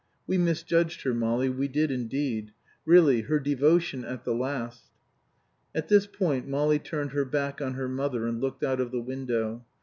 We misjudged her, Molly, we did indeed. Really, her devotion at the last " At this point Molly turned her back on her mother and looked out of the window.